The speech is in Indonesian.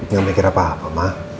gak mikir apa apa ma